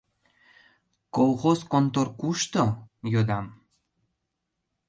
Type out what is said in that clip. — Колхоз контор кушто? — йодам.